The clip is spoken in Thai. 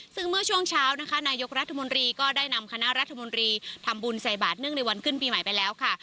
ซึ่งเมื่อช่วงเช้านะคะนายกรัฐมนตรีก็ได้นำคณะรัฐมนตรีทำบุญใส่บาทเนื่องในวันขึ้นปีใหม่ไปแล้วค่ะ